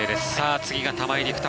次が玉井陸斗